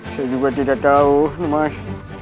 saya juga tidak tahu mas